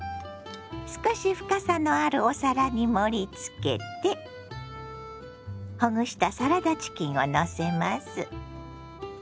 少し深さのあるお皿に盛りつけてほぐしたサラダチキンをのせます。